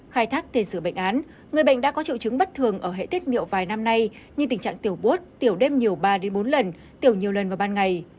khai thác tên sửa bệnh án người bệnh đã có triệu chứng bất thường ở hệ tiết niệu vài năm nay như tình trạng tiểu bốt tiểu đêm nhiều ba bốn lần tiểu nhiều lần vào ban ngày